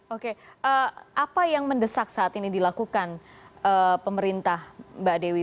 oke apa yang mendesak saat ini dilakukan pemerintah mbak dewi